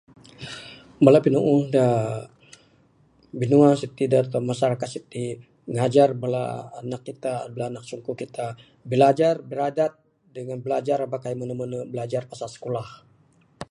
Bala pinuuh da binua siti', da masyarakat siti', ngajar bala anak kitak, bala anak sungkuh kitak. Bilajar biradat dengan bilajar aba kai bilajar menu menu bilajar pasal sikulah.